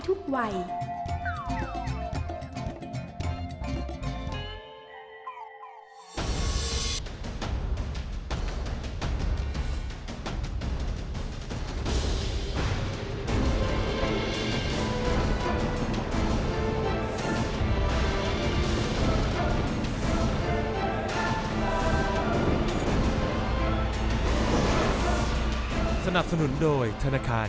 อีกครั้งยังพุ่งชมหากรายการ